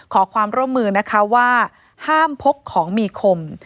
ขอความร่วมมือนะคะว่าห้ามพกของมีคม